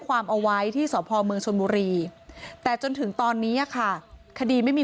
ความเอาไว้ที่สพเมืองชนบุรีแต่จนถึงตอนนี้ค่ะคดีไม่มี